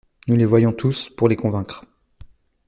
Nous les voyons tous, pour les convaincre.